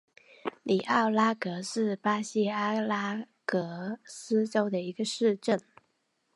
里奥拉戈是巴西阿拉戈斯州的一个市镇。